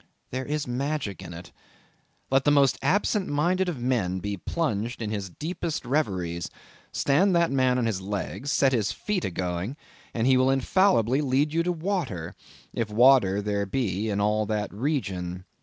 There is magic in it. Let the most absent minded of men be plunged in his deepest reveries—stand that man on his legs, set his feet a going, and he will infallibly lead you to water, if water there be in all that region.